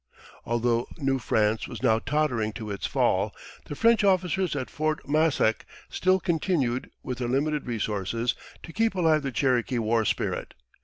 Although New France was now tottering to its fall, the French officers at Fort Massac still continued, with their limited resources, to keep alive the Cherokee war spirit.